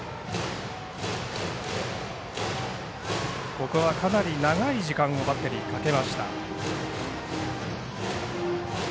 ここはかなり長い時間をバッテリーかけました。